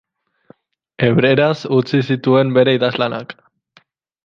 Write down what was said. Hebreeraz utzi zituen bere idazlanak.